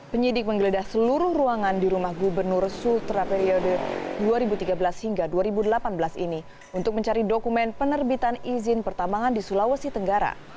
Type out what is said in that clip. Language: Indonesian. penyidik menggeledah seluruh ruangan di rumah gubernur sultra periode dua ribu tiga belas hingga dua ribu delapan belas ini untuk mencari dokumen penerbitan izin pertambangan di sulawesi tenggara